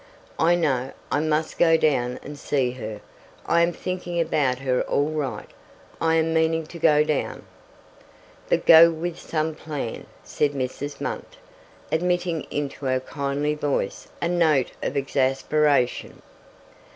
I know I must go down and see her. I am thinking about her all right. I am meaning to go down" "But go with some plan," said Mrs. Munt, admitting into her kindly voice a note of exasperation.